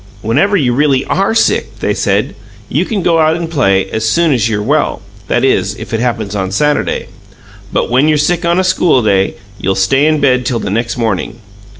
"Whenever you really ARE sick," they said, "you can go out and play as soon as you're well that is, if it happens on Saturday. But when you're sick on a school day, you'll stay in bed till the next morning.